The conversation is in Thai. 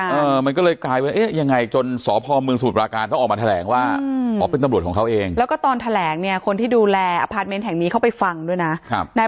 สวดประการเออมันก็เลยกลายไปเอ๊ยยังไง